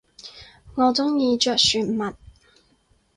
我中意着船襪